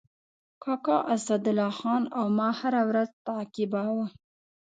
کاکا اسدالله خان او ما هره ورځ تعقیباوه.